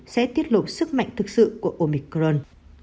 sẽ tiết lộ sức mạnh thực sự của omicron